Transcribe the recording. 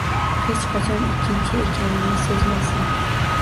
Hech qachon ikkinchi ekaningni sezmaysan